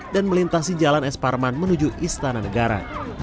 dan melintasi jalan s parman menuju istana negara